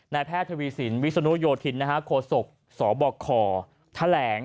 แพทย์ทวีสินวิศนุโยธินโคศกสบคแถลง